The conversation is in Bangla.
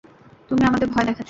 তুমি আমাদের ভয় দেখাচ্ছো?